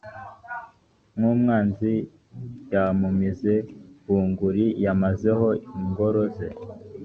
nk umwanzi yamumize bunguri yamazeho ingoro ze